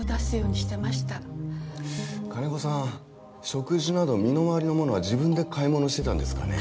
食事など身の回りのものは自分で買い物してたんですかね？